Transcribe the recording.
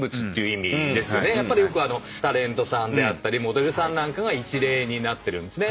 やっぱりタレントさんであったりモデルさんなんかが一例になってるんですね。